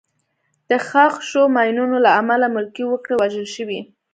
د ښخ شوو ماینونو له امله ملکي وګړي وژل شوي.